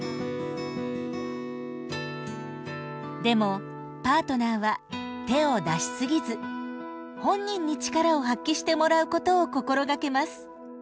でもパートナーは手を出しすぎず本人に力を発揮してもらうことを心がけます。